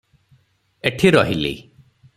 ଏଠି ରହିଲି ।